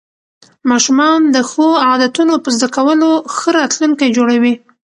ماشومان د ښو عادتونو په زده کولو ښه راتلونکی جوړوي